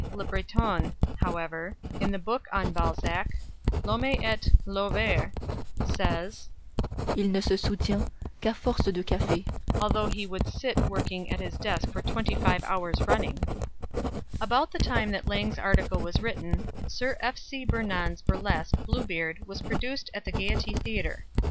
Le Breton, however, in his book on Balzac "L'Homme et L'Œuvre" says: "Il ne se soutient qu'à force de café," though he would sit working at his desk for twenty five hours running. About the time that Lang's article was written, Sir F.C. Burnand's burlesque, "Bluebeard" was produced at the Gaiety Theatre.